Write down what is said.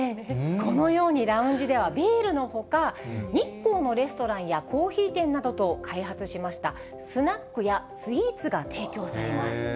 このようにラウンジではビールのほか、日光のレストランやコーヒー店などと開発しました、スナックやスイーツが提供されます。